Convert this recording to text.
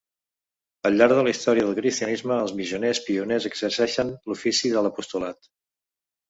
Al llarg de la història del cristianisme els missioners pioners exerceixen l'ofici de l'apostolat.